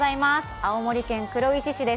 青森県黒石市です。